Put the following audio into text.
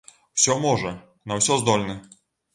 Усё можа, на ўсё здольны.